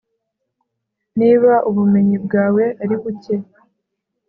niba ubumenyi bwawe ari buke